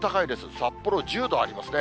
札幌１０度ありますね。